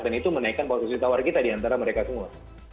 dan itu menaikkan posisi tawar kita di antara mereka semua